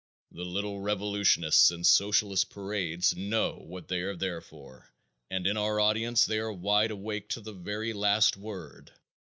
The little revolutionists in Socialist parades know what they are there for, and in our audiences they are wide awake to the very last word.